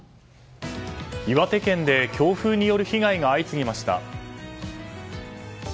岩手県で強風による被害が相次ぎました。